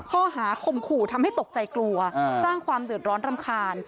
ข้อหาข่มขู่ทำให้ตกใจกลัวสร้างความเดือดร้อนรำคาญ